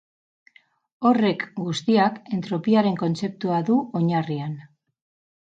Horrek guztiak entropiaren kontzeptua du oinarrian.